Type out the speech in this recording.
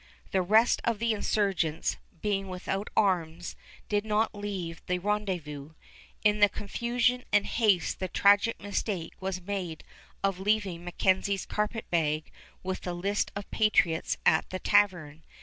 The rest of the insurgents, being without arms, did not leave the rendezvous. In the confusion and haste the tragic mistake was made of leaving MacKenzie's carpet bag with the list of patriots at the tavern.